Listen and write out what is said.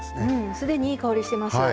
すでにいい香りしてますね。